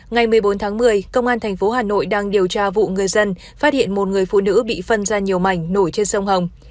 ngày một mươi bốn tháng một mươi công an tp hà nội đang điều tra vụ người dân phát hiện một người phụ nữ bị phân ra nhiều mảnh nổi trên sông hồng